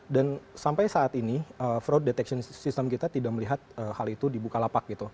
dan sampai saat ini fraud detection system kita tidak melihat hal itu di bukalapak